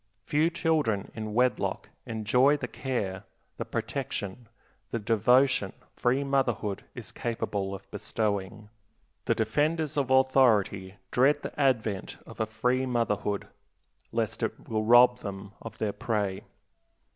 Few children in wedlock enjoy the care, the protection, the devotion free motherhood is capable of bestowing. The defenders of authority dread the advent of a free motherhood, lest it will rob them of their prey.